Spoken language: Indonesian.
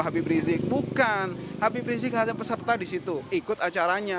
habib rizik ada peserta di situ ikut acaranya